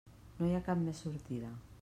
No hi ha cap més sortida.